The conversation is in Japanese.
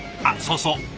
あっそうそう